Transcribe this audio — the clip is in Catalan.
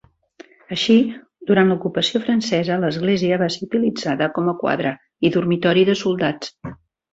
Així, durant l'ocupació francesa l'església va ser utilitzada com a quadra i dormitori de soldats.